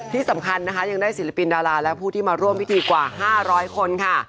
ที่สำคัญนะคะยังได้ศิลปินดาราและผู้ที่มาร่วมพิธีกว่า๕๐๐คนค่ะ